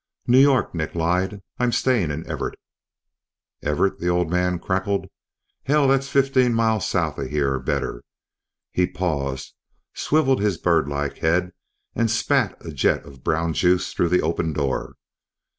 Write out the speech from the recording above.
"New York," Nick lied. "I'm stayin' in Everett." "Everett," the old man cackled. "Hell, that's fifteen miles south o'here, or better." He paused, swiveled his bird like head and spat a jet of brown juice through the open door.